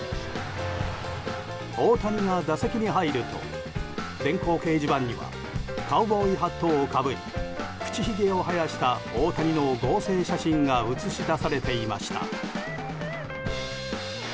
大谷が打席に入ると電光掲示板にはカウボーイハットをかぶり口ひげを生やした大谷の合成写真が映し出されていました。